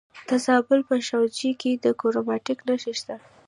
د زابل په شاجوی کې د کرومایټ نښې شته.